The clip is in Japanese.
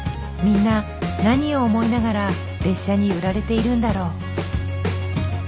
みんな何を思いながら列車に揺られているんだろう。